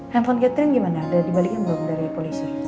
handphone catering gimana udah dibalikin belum dari polisi